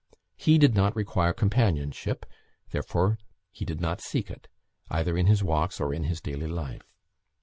He did not require companionship, therefore he did not seek it, either in his walks, or in his daily life.